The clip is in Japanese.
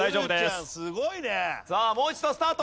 さあもう一度スタート！